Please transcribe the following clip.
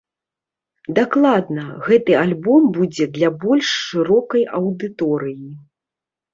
Дакладна, гэты альбом будзе для больш шырокай аўдыторыі.